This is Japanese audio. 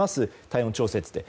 体温調節で。